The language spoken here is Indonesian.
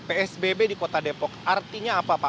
psbb di kota depok artinya apa pak